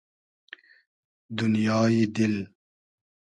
دونیای دیل